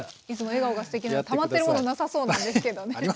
いつも笑顔がすてきなたまっているものなさそうなんですけどね。